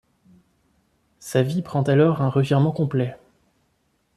Sa vie prend alors un revirement complet...